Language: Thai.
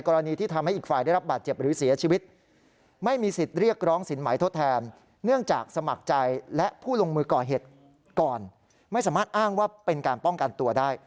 ก่อนไม่สามารถอ้างว่าเป็นการป้องกันตัวได้